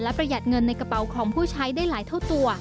ประหยัดเงินในกระเป๋าของผู้ใช้ได้หลายเท่าตัว